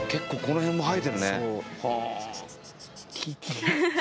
へえ。